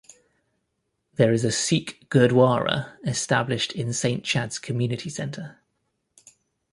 There is a Sikh Gurdwara established in Saint Chad's Community Centre.